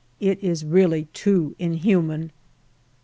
It is really too inhuman